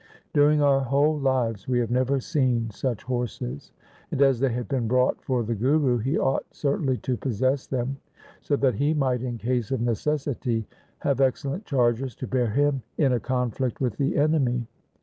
During our whole lives we have never seen such horses ; and, as they had been brought for the Guru, he ought certainly to possess them, so that he might in case of necessity have excellent chargers to bear him in a conflict with the enemy.